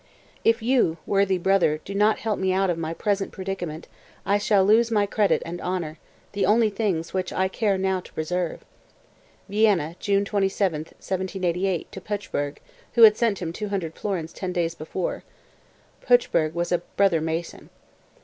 "If you, worthy brother, do not help me out of my present predicament I shall lose my credit and honor, the only things which I care now to preserve." (Vienna, June 27, 1788, to Puchberg, who had sent him 200 florins ten days before. Puchberg was a brother Mason.)